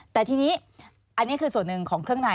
แต่ทีนี้อันนี้คือส่วนหนึ่งของเครื่องใน